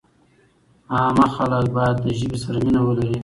عامه خلک باید له ژبې سره مینه ولري.